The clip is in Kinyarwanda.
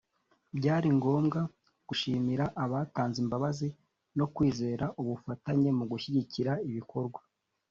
byari ngombwa gushimira abatanze imbabazi no kwizeza ubufatanye mu gushyigikira ibikorwa